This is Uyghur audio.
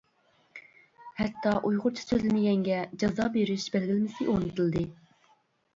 ھەتتا ئۇيغۇرچە سۆزلىمىگەنگە جازا بېرىش بەلگىلىمىسى ئورنىتىلدى.